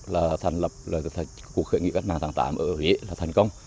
là thành lập cuộc khởi nghĩa tháng tám ở huế là thành công